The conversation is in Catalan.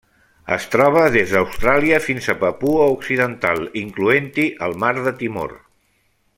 Es troba des d'Austràlia fins a Papua Occidental, incloent-hi el mar de Timor.